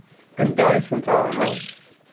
Anda ay ten-tɛawneḍ?